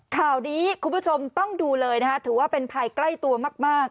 ข่าวนี้คุณผู้ชมต้องดูเลยนะคะถือว่าเป็นภัยใกล้ตัวมาก